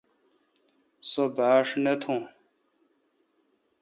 سو باݭ نہ تھوں۔